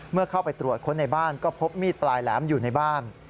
เมื่อเข้าไปตรวจค้นในบ้านก็พบมีดปลายแหลมอยู่ในบ้าน